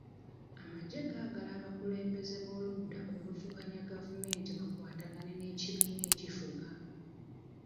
Amagye gaagala abakulembeze b'oludda oluvuganya gavumenti bakwatagane n'ekibiina ekifuga.